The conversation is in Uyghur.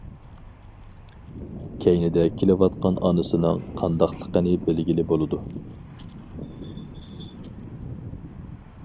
كەينىدە كېلىۋاتقان ئانىسىنىڭ قانداقلىقىنى بىلگىلى بولىدۇ.